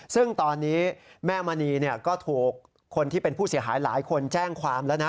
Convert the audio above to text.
ซึ่งตอนนี้แม่มณีก็ถูกคนที่เป็นผู้เสียหายหลายคนแจ้งความแล้วนะ